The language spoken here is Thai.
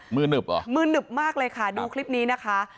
หนึบเหรอมือหนึบมากเลยค่ะดูคลิปนี้นะคะ